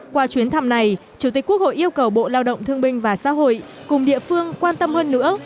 qua chuyến thăm này chủ tịch quốc hội yêu cầu bộ lao động thương binh và xã hội cùng địa phương quan tâm hơn nữa